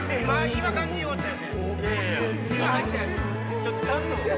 今感じよかったよね。